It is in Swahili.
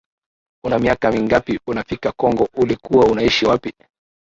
una miaka mingapi unafika congo ulikuwa unaishi wapi